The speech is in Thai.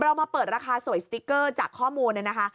เรามาเปิดราคาสวยสติ๊กเกอร์จากข้อมูลเนี่ยนะคะ